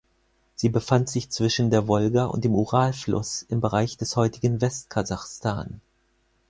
Sie befand sich zwischen der Wolga und dem Ural-Fluss im Bereich des heutigen West-Kasachstan.